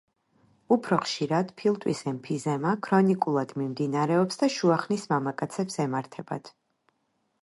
უფრო ხშირად ფილტვის ემფიზემა ქრონიკულად მიმდინარეობს და შუა ხნის მამაკაცებს ემართებათ.